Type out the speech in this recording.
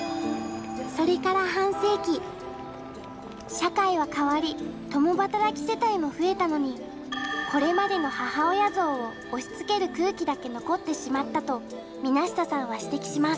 社会は変わり共働き世帯も増えたのにこれまでの母親像を押しつける空気だけ残ってしまったと水無田さんは指摘します。